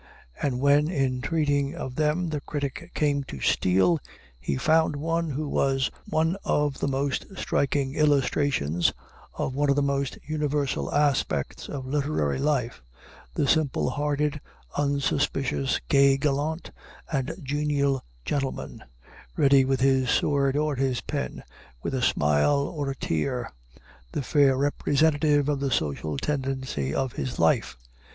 And when in treating of them the critic came to Steele, he found one who was one of the most striking illustrations of one of the most universal aspects of literary life the simple hearted, unsuspicious, gay gallant and genial gentleman; ready with his sword or his pen, with a smile or a tear, the fair representative of the social tendency of his life.